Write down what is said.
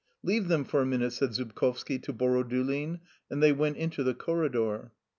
" Leave them for a minute," said Zubkovski to Borodulin, and they went into the corridor.